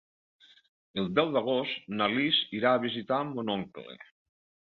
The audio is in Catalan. El deu d'agost na Lis irà a visitar mon oncle.